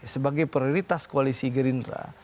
sebagai prioritas koalisi gerindra